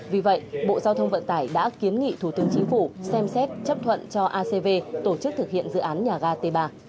vì vậy bộ giao thông vận tải đã kiến nghị thủ tướng chính phủ xem xét chấp thuận cho acv tổ chức thực hiện dự án nhà ga t ba